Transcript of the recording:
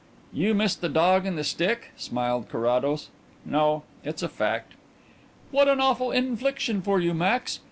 "You miss the dog and the stick?" smiled Carrados. "No; it's a fact." "What an awful infliction for you, Max.